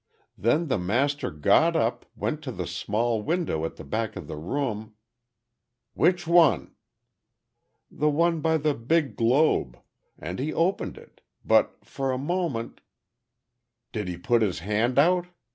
Then the master got up, went to the small window at the back of the room—" "Which one?" "The one by the big globe, and he opened it. But for a moment—" "Did he put his hand out?"